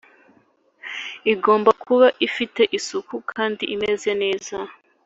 igomba kuba ifite isuku kandi imeze neza